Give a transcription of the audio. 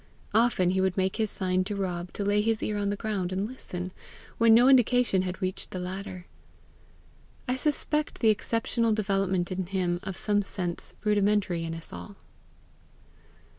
Often would he make his sign to Rob to lay his ear on the ground and listen, when no indication had reached the latter. I suspect the exceptional development in him of some sense rudimentary in us all.